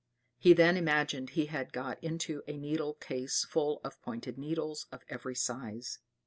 He then imagined he had got into a needle case full of pointed needles of every size.